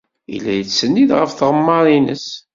Yella yettsennid ɣef tɣemmar-nnes.